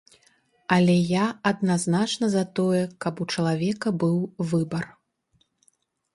Але я адназначна за тое, каб у чалавека быў выбар.